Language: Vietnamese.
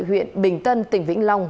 huyện bình tân tỉnh vĩnh long